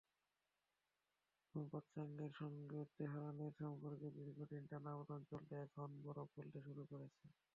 পাশ্চাত্যের সঙ্গে তেহরানের সম্পর্কে দীর্ঘদিন টানাপোড়েন চললেও এখন বরফ গলতে শুরু করেছে।